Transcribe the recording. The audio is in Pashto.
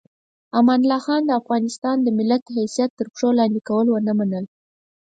امان الله خان د افغانستان د ملت حیثیت تر پښو لاندې کول ونه منل.